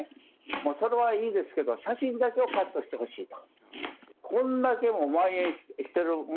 もうそれはいいですけど、写真だけをカットしてほしいと。